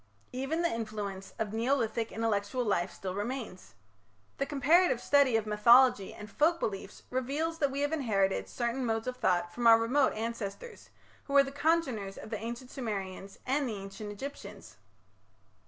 Even the influence of Neolithic intellectual life still remains. The comparative study of mythology and folk beliefs reveals that we have inherited certain modes of thought from our remote ancestors, who were the congeners of the Ancient Sumerians and the Ancient Egyptians.